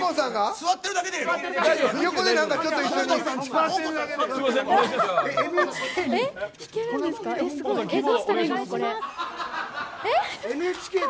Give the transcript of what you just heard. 座ってるだけでええの。